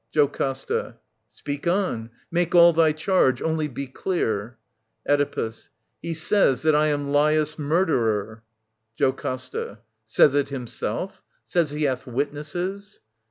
JOCASTA. Speak on. Make all thy charge. Only be clear. Oedipus. He says that I am Lalus* miu derer. JoCASTA. Sajrs it himself? Says he hath witnesses